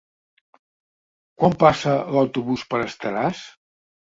Quan passa l'autobús per Estaràs?